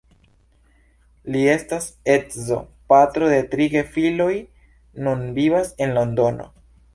Li estas edzo, patro de tri gefiloj, nun vivas en Londono.